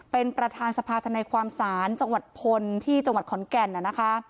เป็นประธานสภาธนาความศาลจังหวัดพลที่จังหวัดขอนแก่นนะคะ